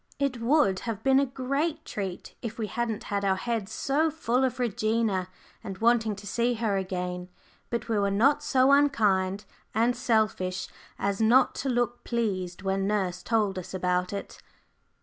It would have been a great treat if we hadn't had our heads so full of Regina, and wanting to see her again. But we were not so unkind and selfish as not to look pleased when nurse told us about it.